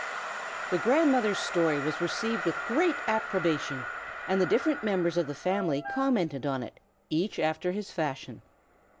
THE grandmother's story was received with great approbation, and the different members of the family commented on it, each after his fashion.